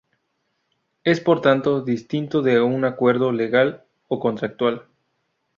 Es, por tanto, distinto de un acuerdo legal o contractual.